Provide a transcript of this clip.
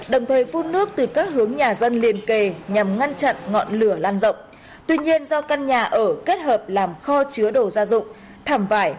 rửa lan rộng tuy nhiên do căn nhà ở kết hợp làm kho chứa đồ ra dụng thảm vải